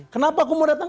kenapa aku mau datang